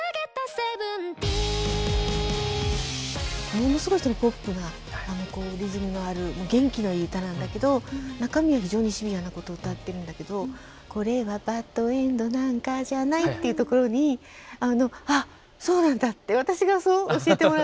ものすごいポップなこうリズムのある元気のいい歌なんだけど中身は非常にシビアなことを歌ってるんだけど「これはバッドエンドなんかじゃない」っていうところにあっそうなんだって私がそう教えてもらった。